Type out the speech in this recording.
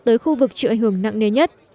tới khu vực trựa hưởng nặng nề nhất